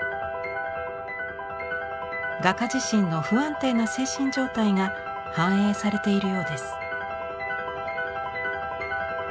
画家自身の不安定な精神状態が反映されているようです。